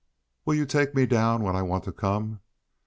"Will you take me down when I want to come?"